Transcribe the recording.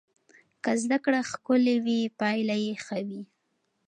که زده کړه ښکلې وي پایله یې ښه وي.